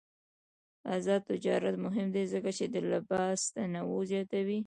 آزاد تجارت مهم دی ځکه چې د لباس تنوع زیاتوي.